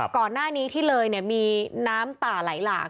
ก่อนหน้านี้ที่เลยมีน้ำป่าไหลหลาก